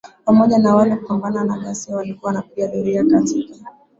pamoja na wale wa kupambana na ghasia walikuwa wanapiga doria katika